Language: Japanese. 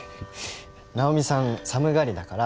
ナオミさん寒がりだから。